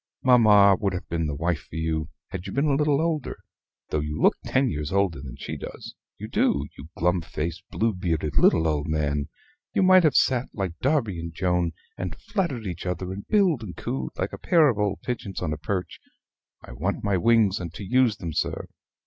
Mamma would have been the wife for you, had you been a little older, though you look ten years older than she does you do, you glum faced, blue bearded little old man! You might have sat, like Darby and Joan, and flattered each other; and billed and cooed like a pair of old pigeons on a perch. I want my wings and to use them, sir."